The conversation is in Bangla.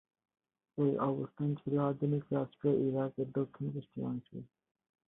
এর অবস্থান ছিল আধুনিক রাষ্ট্র ইরাক এর দক্ষিণ-পশ্চিমাংশে।